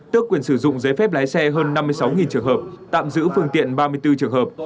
tước quyền sử dụng giấy phép lái xe hơn năm mươi sáu trường hợp tạm giữ phương tiện ba mươi bốn trường hợp